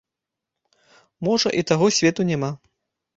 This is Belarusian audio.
Можа, і таго свету няма?